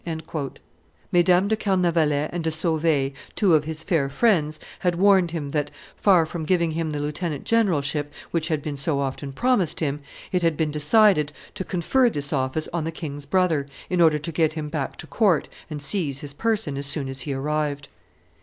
Mesdames de Carnavalet and de Sauve, two of his fair friends, had warned him that, far from giving him the lieutenant generalship, which had been so often promised him, it had been decided to confer this office on the king's brother, in order to get him back to court and seize his person as soon as he arrived.